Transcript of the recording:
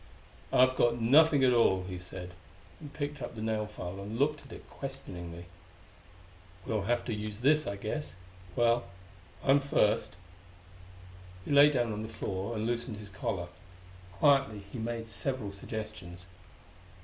"I've got nothing at all," he said and picked up the nailfile and looked at it questioningly. "We'll have to use this, I guess.... Well, I'm first." He lay face down on the floor and loosened his collar. Quietly, he made several suggestions.